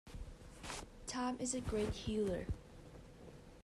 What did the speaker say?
Time is a great healer.